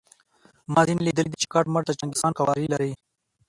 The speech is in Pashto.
ما ځینې لیدلي دي چې کټ مټ د چنګیز خان قوارې لري.